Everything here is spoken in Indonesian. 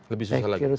lebih susah lagi